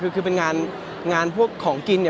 คือเป็นงานพวกของกินเนี่ย